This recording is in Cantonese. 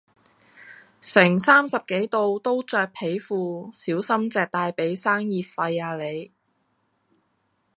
成三十幾度都著皮褲，小心隻大髀生熱痱呀你